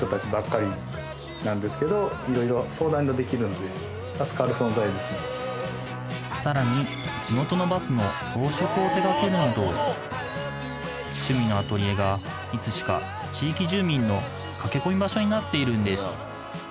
はいさらに地元のバスの装飾を手掛けるなど趣味のアトリエがいつしか地域住民の駆け込み場所になっているんです